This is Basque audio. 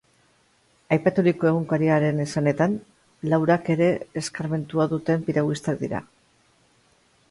Aipaturiko egunkariaren esanetan, laurak ere eskarmentua duten piraguistak dira.